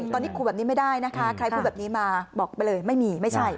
ตอนนี้ครูแบบนี้ไม่ได้นะคะใครพูดแบบนี้มาบอกไปเลยไม่มีไม่ใช่